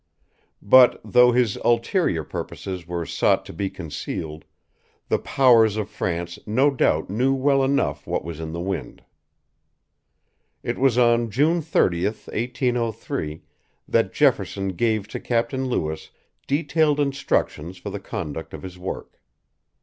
But, though his ulterior purposes were sought to be concealed, the powers of France no doubt knew well enough what was in the wind. It was on June 30, 1803, that Jefferson gave to Captain Lewis detailed instructions for the conduct of his work.